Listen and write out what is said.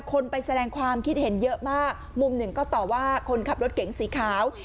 คนไปแสดงความคิดเห็นเยอะมากมุมหนึ่งก็ต่อว่าคนขับรถเก๋งสีขาว